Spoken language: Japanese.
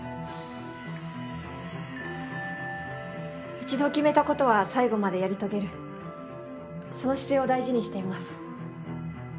一度決めたことは最後までやり遂げるその姿勢を大事にしています。